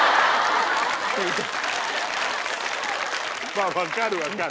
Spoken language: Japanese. まぁ分かる分かる！